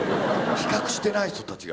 比較してない人たちが。